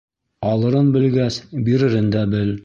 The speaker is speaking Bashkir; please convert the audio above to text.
Алырын белгәс, биререн дә бел.